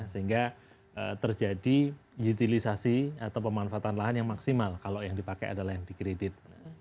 sehingga terjadi utilisasi atau pemanfaatan lahan yang maksimal kalau yang dipakai adalah yang dikredit